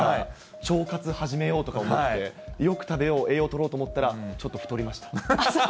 腸活始めようとか思って、よく食べよう、栄養とろうと思ったら、ちょっと太りました。